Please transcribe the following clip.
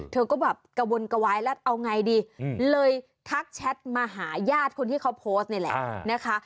เธอก็แบบกระวนกระวายแล้วเอาไงดีเลยทักแชทมาหาญาติคนที่เขาโพสต์นี่แหละนะคะ